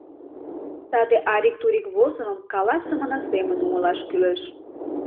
Саде арик-турик возымым каласымына семын умылаш кӱлеш.